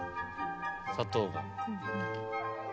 砂糖が。